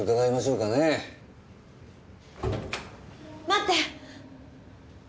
待って！